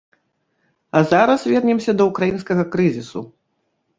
А зараз вернемся да ўкраінскага крызісу.